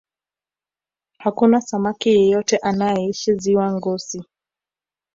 hakuna samaki yeyote anayeishi ziwa ngosi